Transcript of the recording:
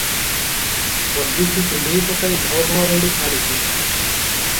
ପଦୀକୁ କୁଣ୍ଢେଇ ପକାଇ ଭୋ ଭୋ ରଡ଼ି ଛାଡ଼ିଛି ।